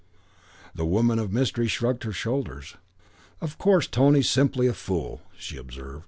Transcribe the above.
The woman of mystery shrugged her shoulders. "Of course Tony's simply a fool," she observed.